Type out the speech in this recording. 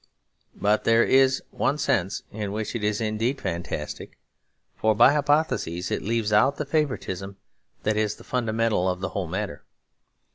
But there is one sense in which it is indeed fantastic, for by hypothesis it leaves out the favouritism that is the fundamental of the whole matter.